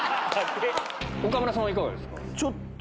岡村さんはいかがですか？